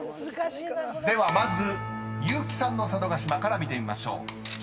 ［ではまず結木さんの佐渡島から見てみましょう］